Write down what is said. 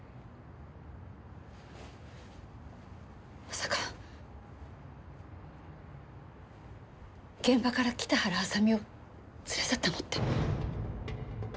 まさか現場から北原麻美を連れ去ったのって。